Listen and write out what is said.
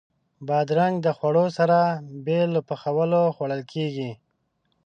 بادرنګ د خوړو سره بې له پخولو خوړل کېږي.